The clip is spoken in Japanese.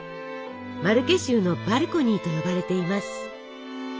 マルケ州のバルコニーと呼ばれています。